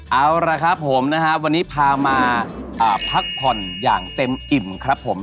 เอาละครับผมนะครับวันนี้พามาพักผ่อนอย่างเต็มอิ่มครับผม